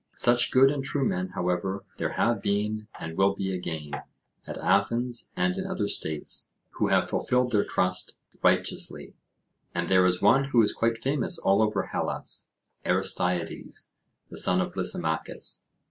Such good and true men, however, there have been, and will be again, at Athens and in other states, who have fulfilled their trust righteously; and there is one who is quite famous all over Hellas, Aristeides, the son of Lysimachus.